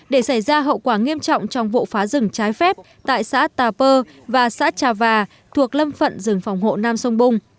để xảy ra hậu quả nghiêm trọng trong vụ phá rừng trái phép tại xã tà pơ và xã trà và thuộc lâm phận rừng phòng hộ nam sông bung